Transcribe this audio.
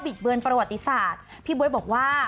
เบือนประวัติศาสตร์พี่บ๊วยบอกว่า